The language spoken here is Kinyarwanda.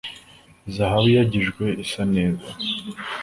zahabu iyagijwe isa neza